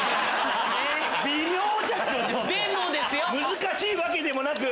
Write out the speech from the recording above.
難しいわけでもなく。